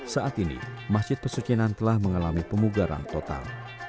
saat ini masjid pesucinan telah mengalami pemugaran total